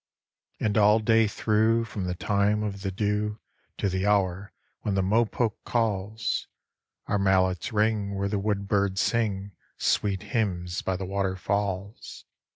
And all day through, from the time of the dew To the hour when the mopoke calls, Our mallets ring where the woodbirds sing Sweet hymns by the waterfalls.